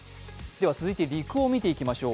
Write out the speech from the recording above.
続いて陸を見ていきましょう。